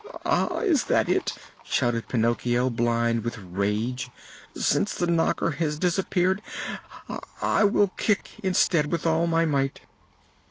"Ah! is that it?" shouted Pinocchio, blind with rage. "Since the knocker has disappeared, I will kick instead with all my might."